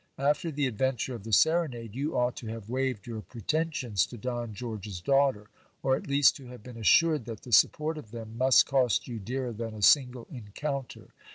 After the adventure of the serenade, you ought to have waived your pretensions to Don George's daughter, or at least to have been assured that the support of them must cost you dearer than a single encounter.